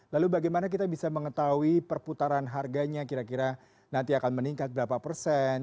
lalu bagaimana kita bisa mengetahui perputaran harganya kira kira nanti akan meningkat berapa persen